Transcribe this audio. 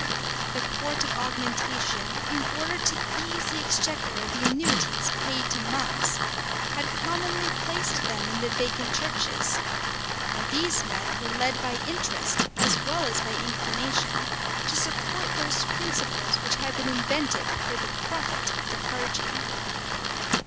The court of augmentation, in order to ease the exchequer of the annuities paid to monks, had commonly placed them in the vacant churches; and these men were led by interest, as well as by inclination, to support those principles which had been invented for the profit of the clergy.